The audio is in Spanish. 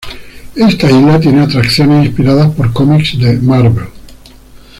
Esta isla tiene atracciones inspiradas por cómics de Marvel.